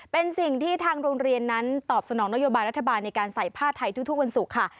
เป็นสิ่งที่ทางโรงเรียนนั้นตอบสนองนโยบายรัฐบาลในการใส่ผ้าไทยทุกวันศุกร์ค่ะ